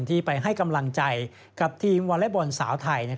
ที่ไปให้กำลังใจกับทีมวอเล็กบอลสาวไทย